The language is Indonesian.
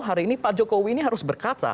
hari ini pak jokowi ini harus berkaca